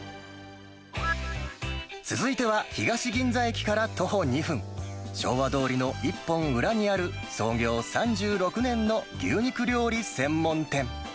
続いては東銀座駅から徒歩２分、昭和通りの１本裏にある創業３６年の牛肉料理専門店。